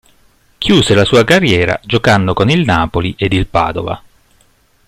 Chiuse la sua carriera giocando con il Napoli ed il Padova.